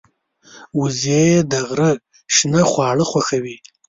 وزې د غره شنه خواړه خوښوي